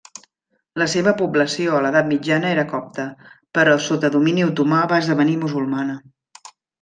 La seva població a l'edat mitjana era copta, però sota domini otomà va esdevenir musulmana.